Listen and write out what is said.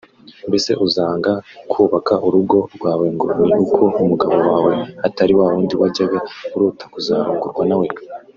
Mbese uzanga kubaka urugo rwawe ngo ni uko umugabo wawe atari wa wundi wajyaga urota kuzarongorwa na we